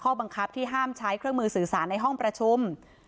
บังคับที่ห้ามใช้เครื่องมือสื่อสารในห้องประชุม